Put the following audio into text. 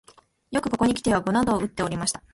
よくここにきて碁などをうっておりました